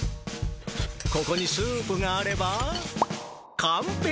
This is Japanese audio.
ここにスープがあれば完璧！